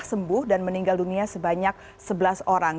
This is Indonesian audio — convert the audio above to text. sembuh dan meninggal dunia sebanyak sebelas orang